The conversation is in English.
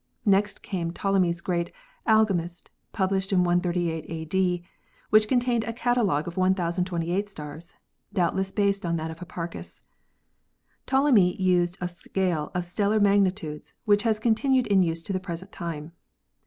Next came Ptolemy's great 'Almagest,' published in 138 a.d., which contained a catalogue of 1,028 stars, doubtless based on that of Hipparchus. Ptolemy used a scale of stellar mag nitudes, which has continued in use to the present time.